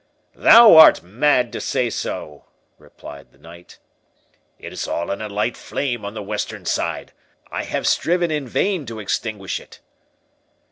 "Thou art mad to say so!" replied the knight. "It is all in a light flame on the western side. I have striven in vain to extinguish it."